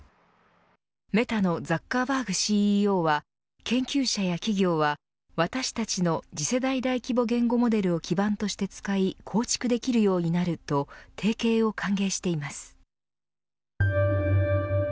メタのザッカーバーグＣＥＯは研究者や企業は私たちの次世代大規模言語モデルを基盤として使い構築できるようになると提携を歓迎しています。